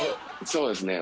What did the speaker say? そうですね